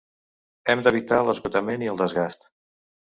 Hem d'evitar l'esgotament i el desgast.